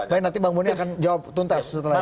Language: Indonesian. nanti bang buni akan jawab tuntas setelah ini